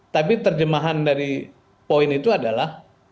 tapi terjemahan dari poin itu adalah